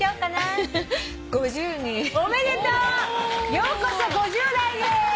ようこそ５０代へ！